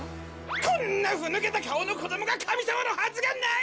こんなふぬけたかおのこどもがかみさまのはずがない！